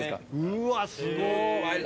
うーわ、すごい。